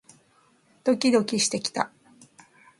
ドキドキしてきた